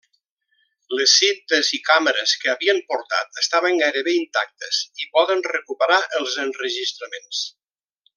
Les cintes i càmeres que havien portat estaven gairebé intactes, i poden recuperar els enregistraments.